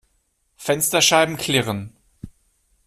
Fensterscheiben klirren.